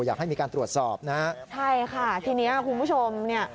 อยากให้มีการตรวจสอบนะฮะใช่ค่ะทีเนี้ยคุณผู้ชมเนี่ย